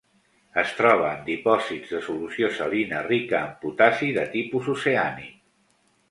Es troba en dipòsits de solució salina rica en potassi, de tipus oceànic.